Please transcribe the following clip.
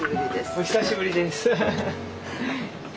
お久しぶりです。